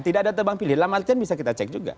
tidak ada tebang pilih dalam artian bisa kita cek juga